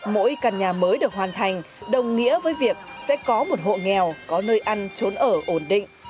mỗi căn nhà mới được hoàn thành đồng nghĩa với việc sẽ có một hộ nghèo có nơi ăn trốn ở ổn định